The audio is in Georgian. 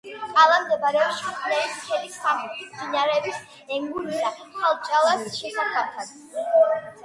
კალა მდებარეობს ჩხუტნერის ქედის სამხრეთით, მდინარეების ენგურისა ხალდეჭალის შესართავთან.